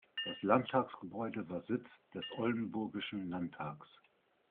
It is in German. Das Landtagsgebäude war Sitz des Oldenburgischen Landtags.